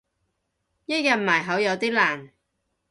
一日埋口有啲難